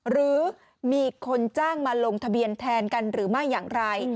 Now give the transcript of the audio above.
หรือมีคนจ้างมาลงทะเบียนแทนกันหรือไม่อย่างไร